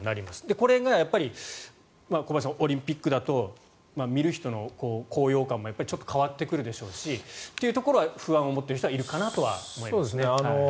これが小林さんオリンピックだと見る人の高揚感もちょっと変わってくるでしょうしというところに不安を持っている方はいるかなとは思います。